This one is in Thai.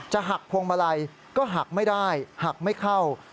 หักพวงมาลัยก็หักไม่ได้หักไม่เข้า